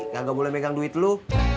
gak boleh megang duit loh